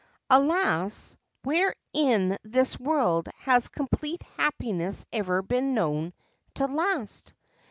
Alas, where in this world has complete happiness ever been known to last